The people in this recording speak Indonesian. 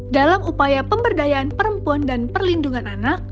dalam upaya pemberdayaan perempuan dan perlindungan anak